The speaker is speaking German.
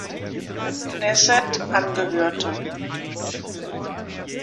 Knesset angehörte.